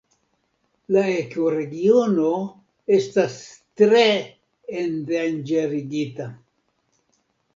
La ekoregiono estas tre endanĝerigita.